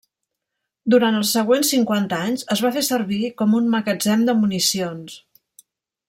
Durant els següents cinquanta anys es va fer servir com un magatzem de municions.